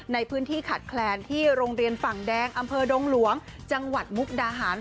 ในพื้นที่ขาดแคลนที่โรงเรียนฝั่งแดงอำเภอดงหลวงจังหวัดมุกดาหาร